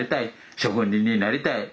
職人になりたい。